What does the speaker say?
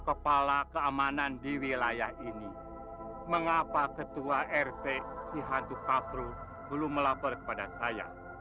aku kepala keamanan di wilayah ini mengapa ketua r t si hantu kaprul belum melapor kepada saya